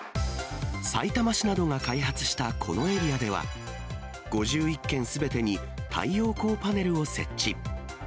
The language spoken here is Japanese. さいたま市などが開発したこのエリアでは、５１軒すべてに太陽光パネルを設置。